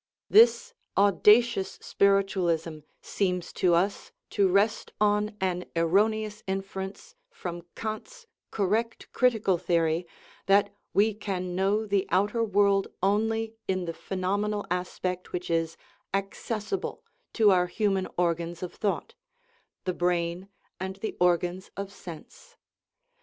This audacious spiritual ism seems to us to rest on an erroneous inference from Kant's correct critical theory, that we can know the outer world only in the phenomenal aspect which is accessible to our human organs of thought the brain and the organs of sense.